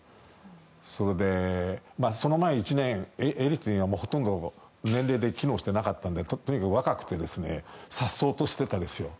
それで、その前に１年エリツィンはほとんど年齢で機能していなかったんですけどとにかく若くて颯爽としてたんですよ。